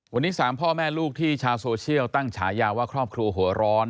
วันนี้๓พ่อแม่ลูกที่ชาวโซเชียลตั้งฉายาว่าครอบครัวหัวร้อน